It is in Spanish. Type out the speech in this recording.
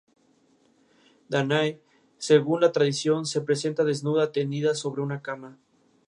Firenze de la Serie A femenina.